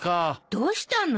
どうしたの？